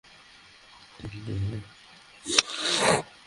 আসুন, আমি আপনাকেই কল করতে যাচ্ছিলাম।